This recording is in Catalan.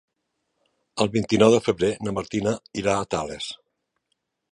El vint-i-nou de febrer na Martina irà a Tales.